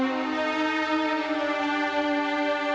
misalnya wisata dan kega